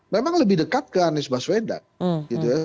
memang lebih dekat ke anies baswedan